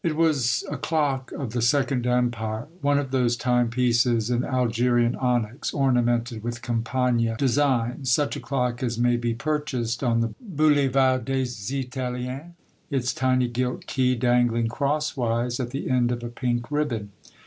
It was a clock of the Second Empire, one of those timepieces in Algerian onyx, ornamented with Campana designs, — such a clock as may be pur chased on the Boulevard des Italiens, its tiny gilt key dangling crosswise at the end of a pink ribbon.